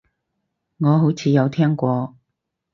我好似有聽過